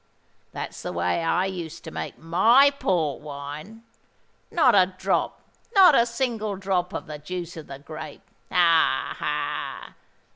That's the way I used to make my Port wine. Not a drop—not a single drop of the juice of the grape. Ha! ha!